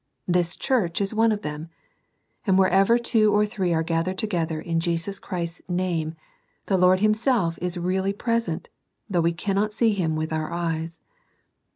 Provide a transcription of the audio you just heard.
This Church is one of them ; and wherever two or three are gathered together in Jesus Christ's name, the Lord Himself is really present, though we cannot see Him with our eyes.